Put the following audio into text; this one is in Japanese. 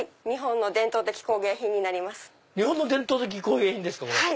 日本の伝統的工芸品ですか？